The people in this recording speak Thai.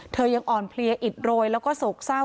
ยังอ่อนเพลียอิดโรยแล้วก็โศกเศร้า